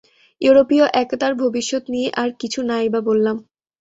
ইউরোপীয় একতার ভবিষ্যৎ নিয়ে আর কিছু না ই বা বললাম।